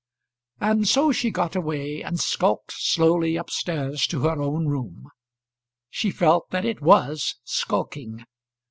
And so she got away, and skulked slowly up stairs to her own room. She felt that it was skulking.